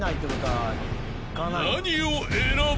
［何を選ぶ？］